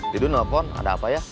tidur nelfon ada apa ya